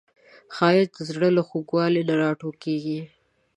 ښایست د زړه له خوږوالي نه راټوکېږي